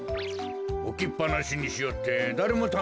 おきっぱなしにしおってだれもたべんのか？